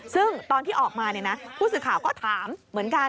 ซึ่งตอนที่ออกมาผู้สื่อข่าวก็ถามเหมือนกัน